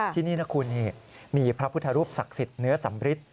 ที่นี่นะคุณนี่มีพระพุทธรูปศักดิ์สิทธิ์เนื้อสำริท